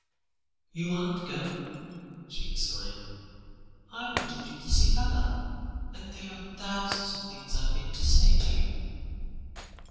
"You aren't going?" she exclaimed. "I wanted you to see Baba, and there are thousands of things I meant to say to you."